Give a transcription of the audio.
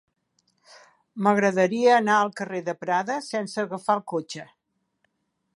M'agradaria anar al carrer de Prada sense agafar el cotxe.